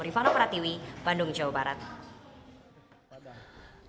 rifana pratiwi bandung jawa barat